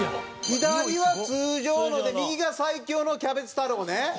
左は通常ので右が最強のキャベツ太郎ね。